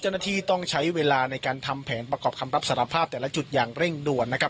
เจ้าหน้าที่ต้องใช้เวลาในการทำแผนประกอบคำรับสารภาพแต่ละจุดอย่างเร่งด่วนนะครับ